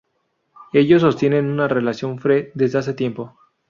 Ellos sostienen una relación free desde hace tiempo.